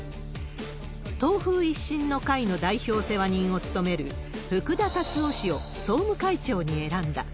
党風一新の会の代表世話人を務める福田達夫氏を総務会長に選んだ。